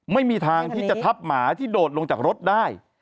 ไม่มีทางที่จะทับหมาที่โดดลงจากรถได้